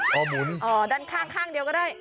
คอหมุนดันข้างเดียวก็ได้